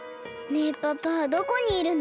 ねえパパはどこにいるの？